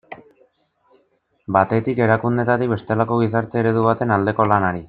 Batetik, erakundeetatik bestelako gizarte eredu baten aldeko lanari.